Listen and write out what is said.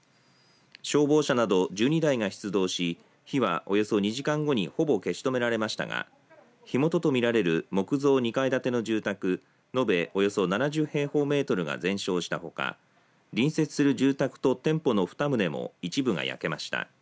消防車など１２台が出動し火はおよそ２時間後にほぼ消し止められましたが火元と見られる木造２階建ての住宅延べおよそ７０平方メートルが全焼したほか隣接する住宅と店舗の２棟も一部が焼けました。